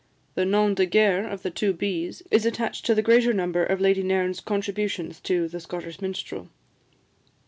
The nom de guerre of the two B.'s is attached to the greater number of Lady Nairn's contributions in "The Scottish Minstrel."